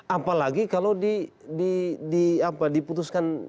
apalagi kalau di di di apa diputuskan